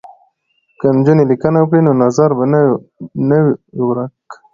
که نجونې لیکنه وکړي نو نظر به نه وي ورک.